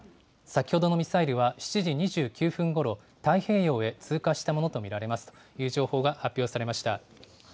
先ほどのミサイルは、７時２９分ごろ、太平洋へ通過したものと見られますという情報が発表されました。